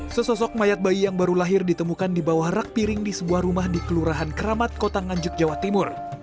sesosok mayat bayi yang baru lahir ditemukan di bawah rak piring di sebuah rumah di kelurahan keramat kota nganjuk jawa timur